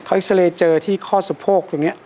เค้าเอ็กซาเลเจอที่ข้อสะโพกตรงนี้